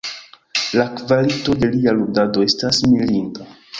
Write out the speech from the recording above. La kvalito de lia ludado estas mirinda.